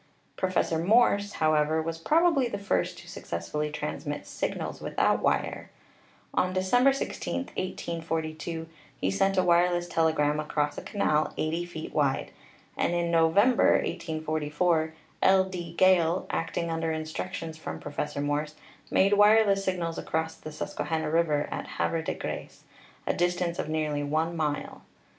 Professor Morse, how ever, was probably the first to successfully transmit sig nals without wire. On December 16, 1842, he sent a wire less telegram across a canal eighty feet wide; and in No vember, 1844, L. D. Gale, acting under instructions from Professor Morse, made wireless signals across the Susquehanna River at Havre de Grace, a distance of nearly one mile.